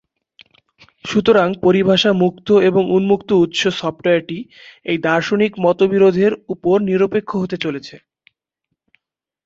সুতরাং, পরিভাষা মুক্ত এবং উন্মুক্ত উৎস সফটওয়্যারটি এই দার্শনিক মতবিরোধের উপর নিরপেক্ষ হতে চলেছে।